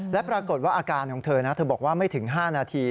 และปรากฏว่าอาการของเธอนะเธอบอกว่าไม่ถึง๕นาที